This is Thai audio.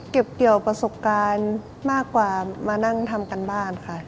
เก็บเกี่ยวประสบการณ์มากกว่ามานั่งทำการบ้านค่ะ